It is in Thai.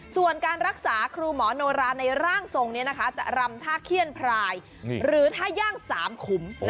ส่วนการรักษาครูหมอโนราในร่างทรงนี้นะคะจะรำท่าเขี้ยนพรายหรือท่าย่าง๓ขุม